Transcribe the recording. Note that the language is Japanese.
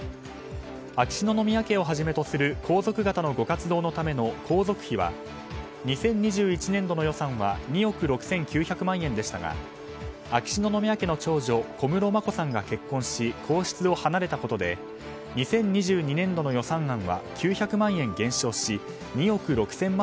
秋篠宮家をはじめとする皇族方のご活動のための皇族費は、２０２１年度の予算は２億６９００万円でしたが秋篠宮家の長女・小室眞子さんが結婚し、皇室を離れたことで２０２２年度の予算案は９００万円減少し２億６０００万